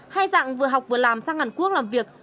hai dạng vừa học vừa làm sang hàn quốc làm việc